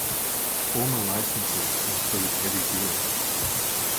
Former licences include Heavy Gear.